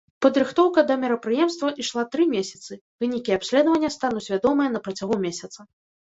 Падрыхтоўка да мерапрыемства ішла тры месяцы, вынікі абследавання стануць вядомыя на працягу месяца.